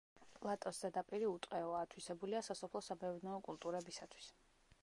პლატოს ზედაპირი უტყეოა, ათვისებულია სასოფლო-სამეურნეო კულტურებისათვის.